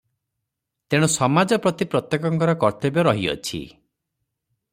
ତେଣୁ ସମାଜ ପ୍ରତି ପ୍ରତ୍ୟେକଙ୍କର କର୍ତ୍ତବ୍ୟ ରହିଅଛି ।